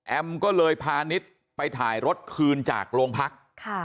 ก็เลยพานิดไปถ่ายรถคืนจากโรงพัก